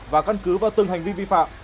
và căn cứ vào từng hành vi vi phạm